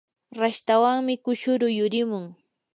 rashtawanmi kushuru yurimun.